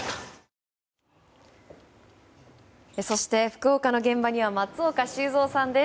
そして、福岡の現場には松岡修造さんです。